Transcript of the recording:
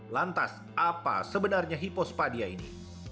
lantas apa sebenarnya hipospadia ini